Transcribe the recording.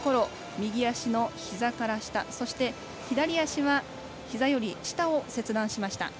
右足のひざから下そして、左足はひざより下を切断しました。